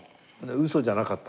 ウソじゃなかった。